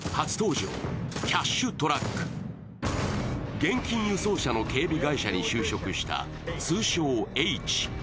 現金輸送車の警備会社に就職した通称Ｈ。